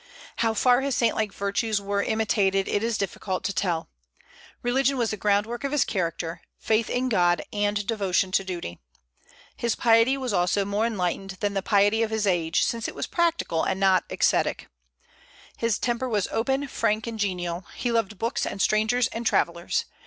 How far his saint like virtues were imitated it is difficult to tell. Religion was the groundwork of his character, faith in God and devotion to duty. His piety was also more enlightened than the piety of his age, since it was practical and not ascetic. His temper was open, frank, and genial. He loved books and strangers and travellers.